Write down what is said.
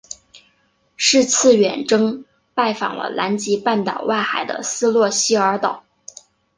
是次远征拜访了南极半岛外海的斯诺希尔岛。